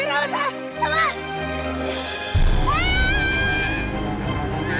tahun tuhan pada nyambur